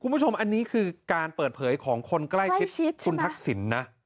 คุณผู้ชมอันนี้คือการเปิดเผยของคนใกล้ชิดใกล้ชิดใช่ไหมคุณทักษิณนะ